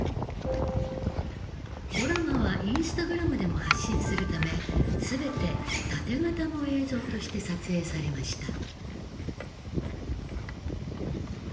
ドラマはインスタグラムでも発信するため全てタテ型の映像として撮影されました。